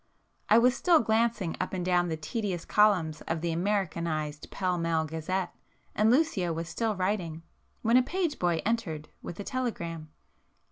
I was still glancing up and down the tedious columns of the Americanized Pall Mall Gazette, and Lucio was still writing, when a page boy entered with a telegram.